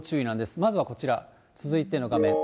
まずはこちら、続いての画面。